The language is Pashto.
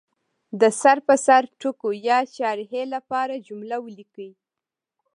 د سر په سر ټکو یا شارحې لپاره جمله ولیکي.